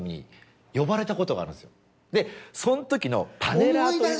でそのときのパネラー。